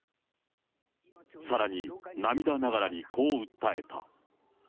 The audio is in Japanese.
さらに、涙ながらにこう訴えた。